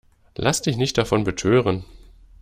Lass dich nicht davon betören!